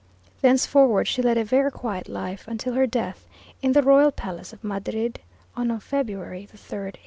Thenceforward she led a very quiet life until her death, in the Royal Palace of Madrid, on February 3rd, 1882.